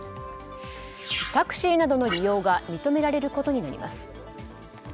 タクシーなどの利用は認められることになります。